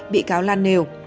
bị cáo lan nều